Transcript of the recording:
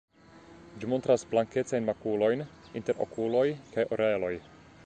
Ĝi montras blankecajn makulojn inter okuloj kaj oreloj.